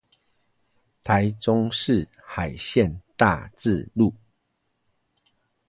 台中市海線大智路